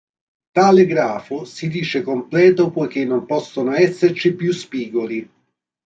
Tale grafo si dice completo poiché non possono esserci più spigoli.